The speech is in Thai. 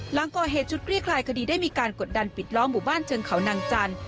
หลังก่อเหตุชุดคลี่คลายคดีได้มีการกดดันปิดล้อหมู่บ้านเชิงเขานางจันทร์